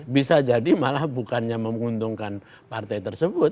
bisa jadi malah bukannya menguntungkan partai tersebut